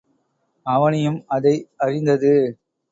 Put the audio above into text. அவனியும் அதை அறிந்தது.